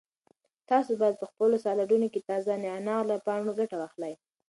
تاسو باید په خپلو سالاډونو کې د تازه نعناع له پاڼو ګټه واخلئ.